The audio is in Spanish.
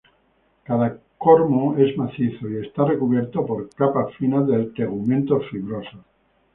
Cada cormo es macizo, y está recubierto por capas finas de tegumentos fibrosos.